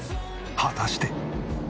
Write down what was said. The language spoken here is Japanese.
果たして。